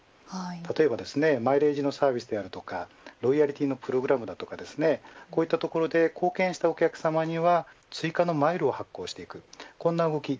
例えばマイレージのサービスであるとかロイヤリティーのプログラムだとかこういったところで貢献したお客さまには追加のマイルを発行していく。